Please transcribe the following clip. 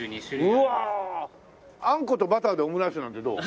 うわあ！あんことバターでオムライスなんてどう？